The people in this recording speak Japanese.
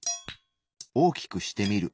大きくしてみる。